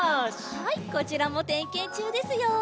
はいこちらもてんけんちゅうですよ。